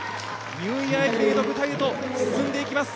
ニューイヤー駅伝への舞台へと進んでいきます。